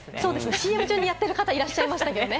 ＣＭ中にやってる方いらっしゃいましたね。